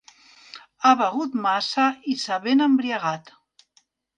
Ha begut massa, i s'ha ben embriagat.